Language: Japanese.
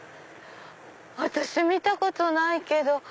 私見たことないけど。